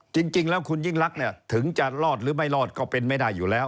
จริงแล้วคุณยิ่งรักเนี่ยถึงจะรอดหรือไม่รอดก็เป็นไม่ได้อยู่แล้ว